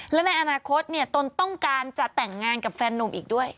และในอนาคตตนต้องการจะแต่งงานกับแฟนนุ่มอีกด้วย